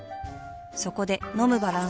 そこで飲むバランス栄養食